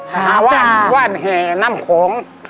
หาว่านแห่น้ำโขง